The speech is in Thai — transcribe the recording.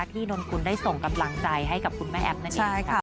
ที่นนท์คุณได้ส่งกำลังใจให้กับคุณแม่แอ๊บนั่นเอง